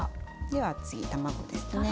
では次卵ですね。